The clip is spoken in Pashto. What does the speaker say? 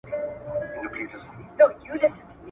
لحدونو ته لېږلي یې زلمیان وي !.